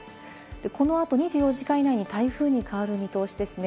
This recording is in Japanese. この後、２４時間以内に台風に変わる見通しですね。